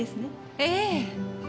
ええ。